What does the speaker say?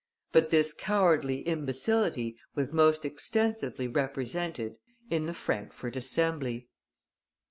But this cowardly imbecility was most extensively represented in the Frankfort Assembly.